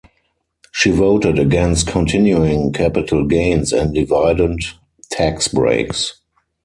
She voted against continuing capital gains and dividend tax breaks.